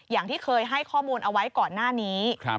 อย่างที่เคยให้ข้อมูลเอาไว้ก่อนหน้านี้